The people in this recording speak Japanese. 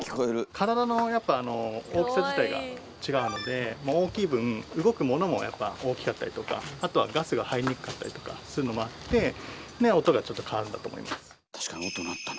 体の大きさ自体が違うので大きい分動くものもやっぱ大きかったりとかあとはガスが入りにくかったりとかするのもあって音がちょっと変わるんだと思います。